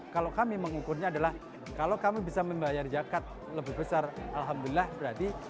kalau kami mengukurnya adalah kalau kami bisa membayar zakat lebih besar alhamdulillah berarti